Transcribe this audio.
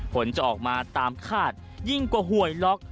ผลจะออกมาตามคาดยิ่งกว่าหวยล็อก